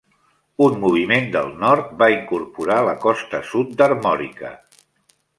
Un moviment del nord va incorporar la costa sud d'Armòrica.